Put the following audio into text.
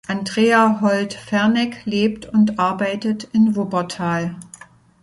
Andrea Hold-Ferneck lebt und arbeitet in Wuppertal.